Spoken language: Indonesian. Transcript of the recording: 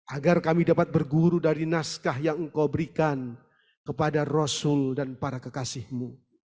agar kami dapat berguru dari naskah yang engkau berikan kepada rasul dan para kekasihmu